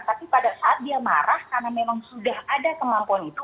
tapi pada saat dia marah karena memang sudah ada kemampuan itu